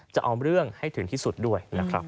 จะเอาเรื่องให้ถึงที่สุดด้วย